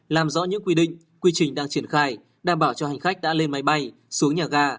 làm rõ những quy định quy trình đang triển khai đảm bảo cho hành khách đã lên máy bay xuống nhà ga